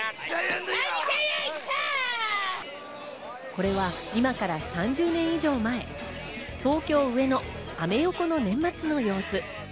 これは今から３０年以上前、東京・上野、アメ横の年末の様子。